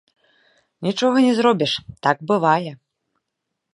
Нічога не зробіш, так бывае.